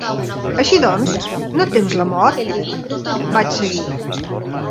"Així doncs, no tems la mort?" vaig seguir.